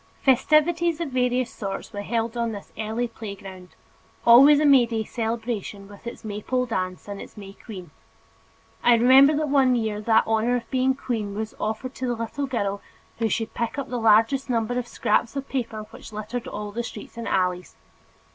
Festivities of various sorts were held on this early playground, always a May day celebration with its Maypole dance and its May queen. I remember that one year that honor of being queen was offered to the little girl who should pick up the largest number of scraps of paper which littered all the streets and alleys.